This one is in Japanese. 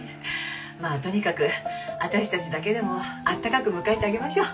まあとにかく私たちだけでもあったかく迎えてあげましょう。